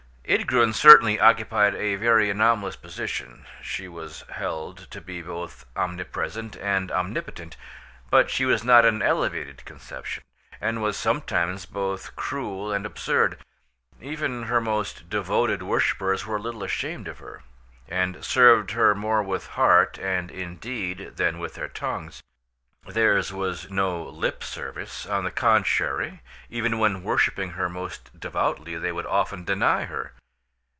Ydgrun certainly occupied a very anomalous position; she was held to be both omnipresent and omnipotent, but she was not an elevated conception, and was sometimes both cruel and absurd. Even her most devoted worshippers were a little ashamed of her, and served her more with heart and in deed than with their tongues. Theirs was no lip service; on the contrary, even when worshipping her most devoutly, they would often deny her.